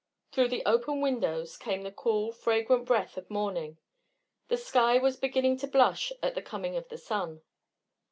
Through the open windows came the cool, fragrant breath of morning; the sky was beginning to blush at the coming of the sun.